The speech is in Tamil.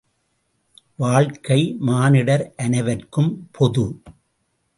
வாழ்க்கை, மானிடர் அனைவர்க்கும் பொது.